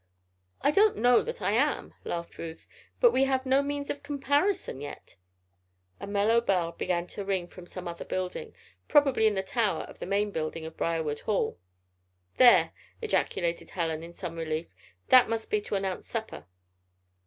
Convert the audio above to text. "I don't know that I am," laughed Ruth. "But we have no means of comparison yet " A mellow bell began to ring from some other building probably in the tower of the main building of Briarwood Hall. "There!" ejaculated Helen, in some relief. "That must be to announce supper."